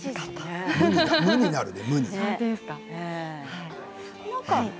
無になるね。